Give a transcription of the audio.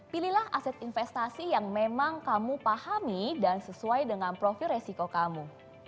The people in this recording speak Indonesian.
pilihlah aset investasi yang memang kamu pahami dan sesuai dengan profil resiko kamu